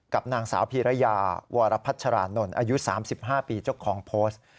กับนางสาวพีรยาวรพัชรานนท์อายุ๓๕ปีเจ้าของโพสต์